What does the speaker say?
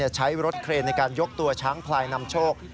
ใช้รถเครนในการยกตัวช้างพลายนำโชค